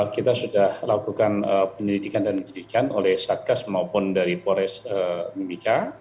kita sudah melakukan penelitikan dan penelitikan oleh satgas maupun dari polres mimika